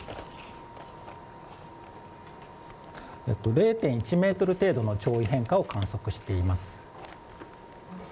０．１ｍ程度の潮位変化を観測しています。